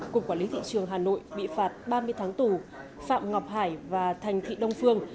cục quản lý thị trường hà nội bị phạt ba mươi tháng tù phạm ngọc hải và thành thị đông phương